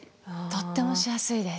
とってもしやすいです。